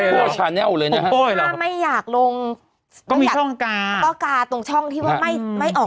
คือไม่ค่อยเลยนะฮะไม่อยากลงก็มีช่องกาต้องกาตรงช่องที่ว่าไม่ไม่ออกเสียง